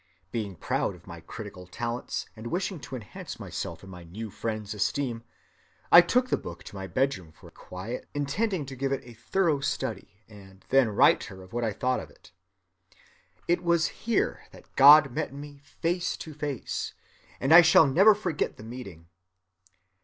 Being proud of my critical talents and wishing to enhance myself in my new friend's esteem, I took the book to my bedroom for quiet, intending to give it a thorough study, and then write her what I thought of it. It was here that God met me face to face, and I shall never forget the meeting.